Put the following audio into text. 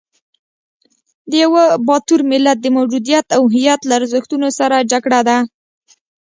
د یوه باتور ملت د موجودیت او هویت له ارزښتونو سره جګړه ده.